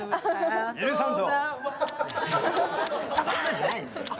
許さんぞ。